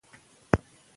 کافي خوب روغتیا ساتي.